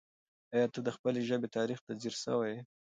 آیا ته د خپلې ژبې تاریخ ته ځیر سوی یې؟